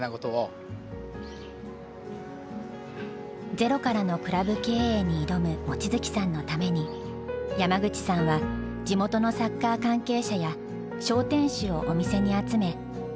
ゼロからのクラブ経営に挑む望月さんのために山口さんは地元のサッカー関係者や商店主をお店に集め引き合わせた。